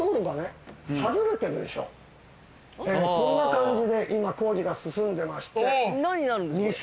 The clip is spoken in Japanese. こんな感じで今工事が進んでまして。